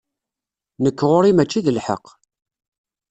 Nekk ɣur-i mačči d lḥeqq.